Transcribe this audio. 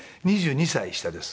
２２歳下です。